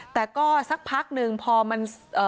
แต่ก็สักพักหนึ่งพอมัน